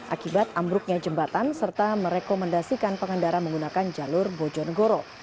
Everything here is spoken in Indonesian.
akibat ambruknya jembatan serta merekomendasikan pengendara menggunakan jalur bojonegoro